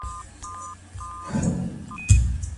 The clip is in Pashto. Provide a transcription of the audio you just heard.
د چا اړتياوي تر نورو ميرمنو ډيري وي؟